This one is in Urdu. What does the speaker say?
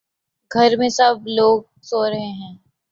گھر میں سب لوگ سو رہے ہیں